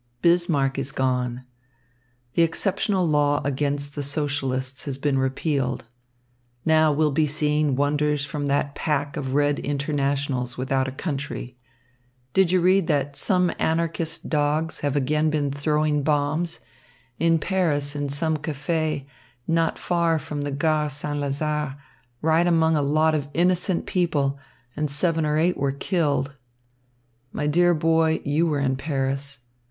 Bismarck is gone. The exceptional law against the Socialists has been repealed. Now we'll be seeing wonders from that pack of red internationals without a country. Did you read that some Anarchist dogs have again been throwing bombs in Paris in a café not far from the Gare St. Lazare, right among a lot of innocent people, and seven or eight were killed. My dear boy, you were in Paris.